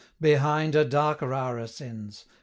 Behind, a darker hour ascends!